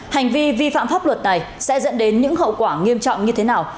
hành vi vi phạm pháp luật này sẽ dẫn đến những hậu quả nghiêm trọng như thế nào